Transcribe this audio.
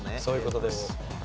そういう事です。